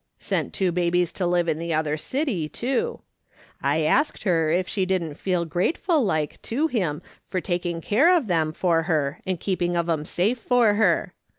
Sent two babies to live in the other city, too ; I asked her if she didn't feel grateful like to him for taking care of them for her and keeping of 'em safe for her.